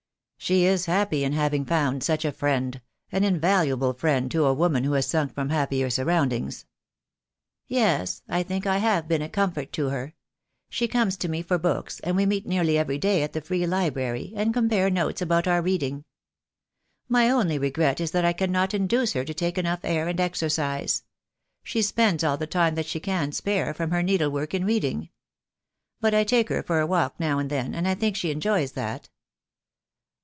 "She is happy in having found such a friend, an in THE DAY WILL COME. 2jg valuable friend to a woman who has sunk from happier surroundings." "Yes, I think I have been a comfort to her. She comes to me for books, and we meet nearly every day at the Free Library, and compare notes about our read ing. My only regret is that I cannot induce her to take enough air and exercise. She spends all the time that she can spare from her needlework in reading. But I take her for a walk now and then, and I think she en joys that.